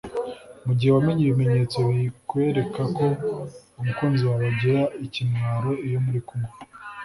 Mu gihe wamenye ibimenyetso bikwereka ko umukunzi wawe agira ikimwaro iyo muri kumwe